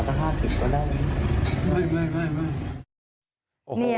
ขอถ้า๕๐ก็ได้เลย